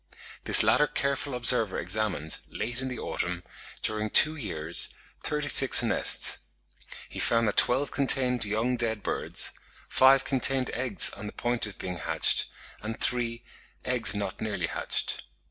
This latter careful observer examined, late in the autumn, during two years, thirty six nests; he found that twelve contained young dead birds, five contained eggs on the point of being hatched, and three, eggs not nearly hatched.